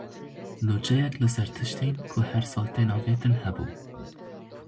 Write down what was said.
Nûçeyek li ser tiştên ku her sal tên avêtin hebû.